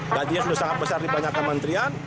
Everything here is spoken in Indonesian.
gajinya sudah sangat besar di banyak kementerian